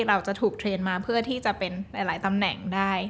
เราจะถูกเทรนด์มาเพื่อที่จะเป็นหลายตำแหน่งได้